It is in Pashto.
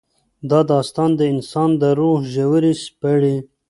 دا داستان د انسان د روح ژورې سپړي.